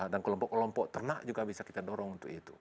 dan kelompok kelompok ternak juga bisa kita dorong untuk itu